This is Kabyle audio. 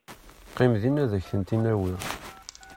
Qqim din ad ak-tent-in-awiɣ.